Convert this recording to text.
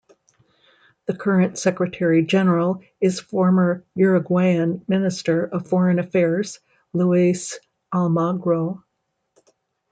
The current Secretary General is former Uruguayan minister of foreign affairs Luis Almagro.